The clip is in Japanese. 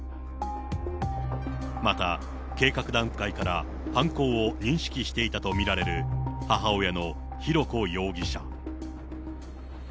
また、計画段階から犯行を認識していたと見られる母親の浩子容疑者。